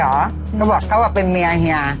เขาบอกเขาว่าเป็นเมียเฮีย